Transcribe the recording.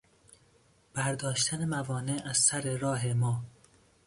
برداشتن موانع از سر راه ما